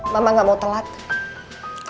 masih ada yang mau berhenti ya